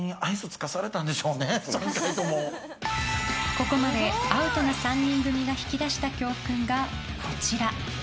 ここまで、アウトな３人組が引き出した教訓がこちら。